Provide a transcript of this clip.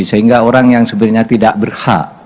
sehingga orang yang sebenarnya tidak berhak